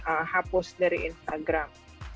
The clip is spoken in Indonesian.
ketemu akan kami hapus dari instagram